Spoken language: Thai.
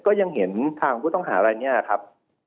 ก็ยังเห็นทางผู้ต้องหาอะไรเนี่ยครับ